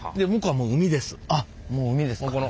もう海ですか。